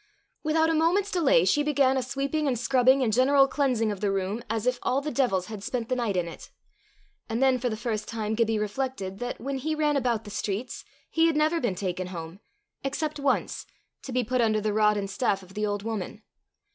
Without a moment's delay, she began a sweeping and scrubbing, and general cleansing of the room, as if all the devils had spent the night in it. And then for the first time Gibbie reflected, that, when he ran about the streets, he had never been taken home except once, to be put under the rod and staff of the old woman.